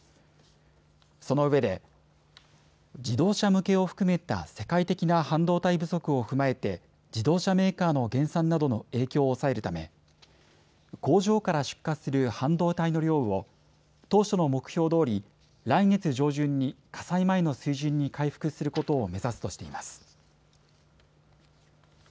そのうえで自動車向けを含めた世界的な半導体不足を踏まえて自動車メーカーの減産などの影響を抑えるため工場から出荷する半導体の量を当初の目標どおり来月上旬に火災前の水準に回復することを目指すとしています。